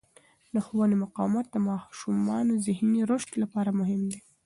د ښوونې مقاومت د ماشومانو ذهني رشد لپاره مهم دی.